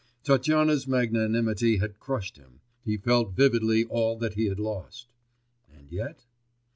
Tatyana's magnanimity had crushed him, he felt vividly all that he had lost ... and yet?